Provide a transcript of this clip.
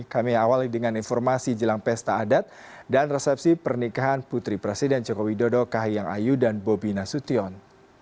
kami awali dengan informasi jelang pesta adat dan resepsi pernikahan putri presiden joko widodo kahiyang ayu dan bobi nasution